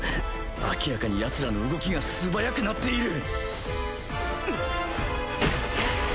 明らかにヤツらの動きが素早くなっている！